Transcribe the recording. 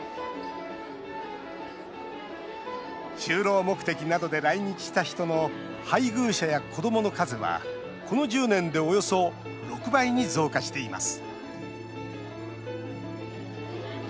就労目的などで来日した人の配偶者や子どもの数はこの１０年でおよそ６倍に増加しています。